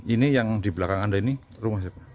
ini yang di belakang anda ini rumah siapa